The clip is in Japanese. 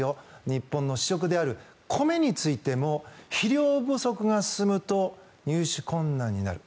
日本の主食である米についても肥料不足が進むと入手困難になる。